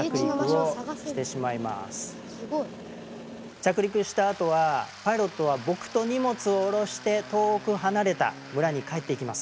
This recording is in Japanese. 着陸した後はパイロットは僕と荷物を降ろして遠く離れた村に帰っていきます。